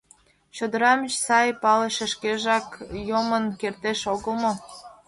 Чодырам сай палыше шкежак йомын коштеш огыл мо?»